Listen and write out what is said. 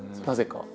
なぜか。